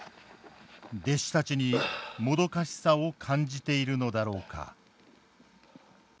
弟子たちにもどかしさを感じているのだろうか。